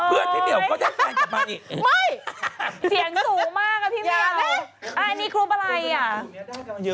เพื่อนพี่เมียวก็จะได้แฟนกลับมาเนี่ย